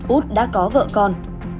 úc đã có vợ con